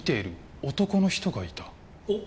おっ！